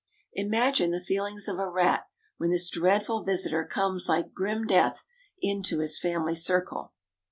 Imagine the feelings of a rat when this dreadful visitor comes like grim death into his family circle!